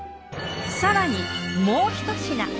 更にもうひと品。